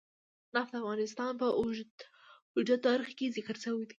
نفت د افغانستان په اوږده تاریخ کې ذکر شوی دی.